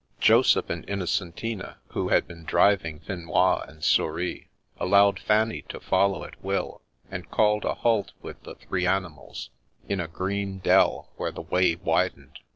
Joseph and Innocentina, who had been driving Finois and Souris, allowing Fanny to follow at will, had called a halt with the three animals, in a green dell where the way widened.